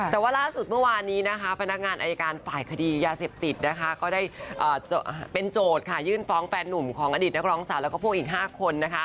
แต่ว่าล่าสุดเมื่อวานนี้นะคะพนักงานอายการฝ่ายคดียาเสพติดนะคะก็ได้เป็นโจทย์ค่ะยื่นฟ้องแฟนหนุ่มของอดีตนักร้องสาวแล้วก็พวกอีก๕คนนะคะ